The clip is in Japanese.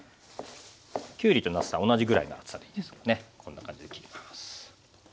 きゅうりとなすは同じぐらいの厚さでいいですからねこんな感じで切ります。